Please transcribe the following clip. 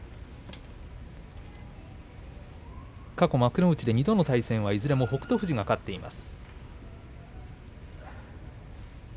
過去幕内で２度の対戦いずれも北勝富士が勝っています。